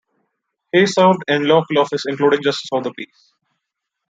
He served in local office including justice of the peace.